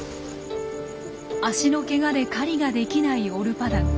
足のケガで狩りができないオルパダン。